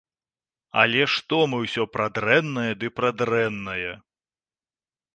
Але што мы ўсё пра дрэннае ды пра дрэннае?